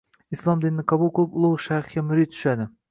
Islomni qabul qilib, ulugʻ shayxga murid tushadi